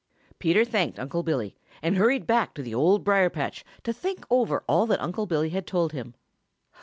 Peter thanked Unc' Billy and hurried back to the Old Briar patch to think over all that Unc' Billy had told him.